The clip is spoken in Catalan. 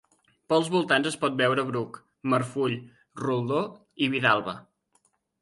Pels voltants es pot veure bruc, marfull, roldor i vidalba.